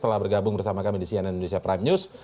telah bergabung bersama kami di cnn indonesia prime news